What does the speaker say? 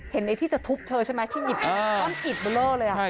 เห็นไอ้ที่จะทุบเธอใช่ไหมที่อิ่ดบลื้อเลย